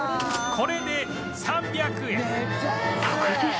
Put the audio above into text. これで３００円